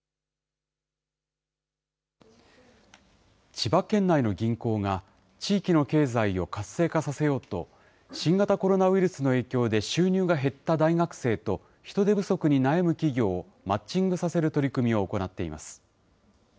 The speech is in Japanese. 千葉県内の銀行が、地域の経済を活性化させようと、新型コロナウイルスの影響で収入が減った大学生と、人手不足に悩む企業をマッチングさせる取り組みを行っています。